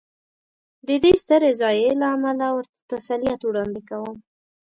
دې سترې ضایعې له امله ورته تسلیت وړاندې کوم.